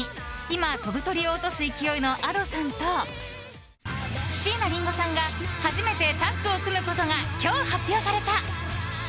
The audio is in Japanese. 今、飛ぶ鳥を落とす勢いのＡｄｏさんと椎名林檎さんが初めてタッグを組むことが今日、発表された。